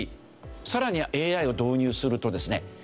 更にＡＩを導入するとですね